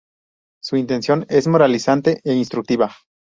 Su intención es moralizante e instructiva.